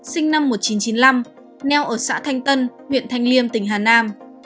sinh năm một nghìn chín trăm chín mươi năm neo ở xã thanh tân huyện thanh liêm tỉnh hà nam